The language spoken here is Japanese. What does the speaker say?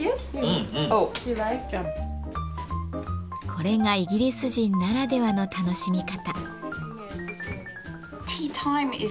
これがイギリス人ならではの楽しみ方。